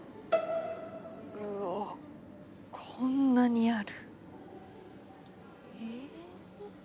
うぉこんなにある。